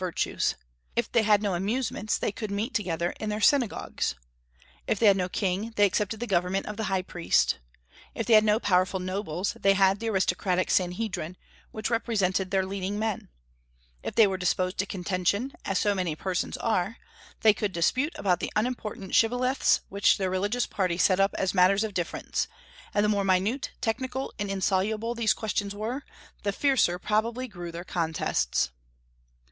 If they had no heathen literature, they could still discuss theological dogmas; if they had no amusements, they could meet together in their synagogues; if they had no king, they accepted the government of the high priest; if they had no powerful nobles, they had the aristocratic Sanhedrim, which represented their leading men; if they were disposed to contention, as so many persons are, they could dispute about the unimportant shibboleths which their religious parties set up as matters of difference, and the more minute, technical, and insoluble these questions were, the fiercer probably grew their contests.